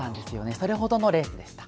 それほどのレースでした。